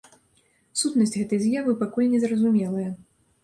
Сутнасць гэтай з'явы пакуль не зразумелая.